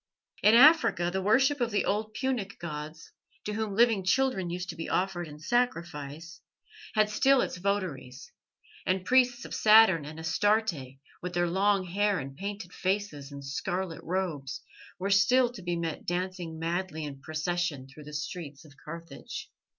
In Africa the worship of the old Punic gods, to whom living children used to be offered in sacrifice, had still its votaries, and priests of Saturn and Astarte, with their long hair and painted faces and scarlet robes, were still to be met dancing madly in procession through the streets of Carthage.